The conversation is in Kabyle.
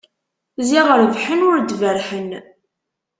Ziɣ rebḥen ur d-berrḥen.